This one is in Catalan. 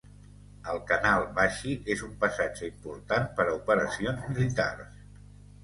El canal Bashi és un passatge important per a operacions militars.